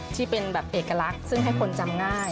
ที่เป็นแบบเอกลักษณ์ซึ่งให้คนจำง่าย